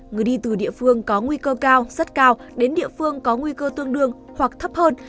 người đi từ địa phương có nguy cơ cao rất cao đến địa phương có nguy cơ tương đương hoặc thấp hơn